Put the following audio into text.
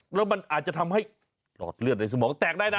แล้วมันอาจจะทำให้หลอดเลือดในสมองแตกได้นะ